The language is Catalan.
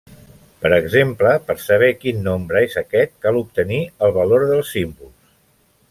Per exemple, per saber quin nombre és aquest cal obtenir el valor dels símbols.